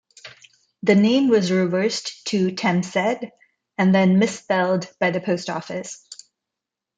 The name was reversed to "Temsed" and then misspelled by the post office.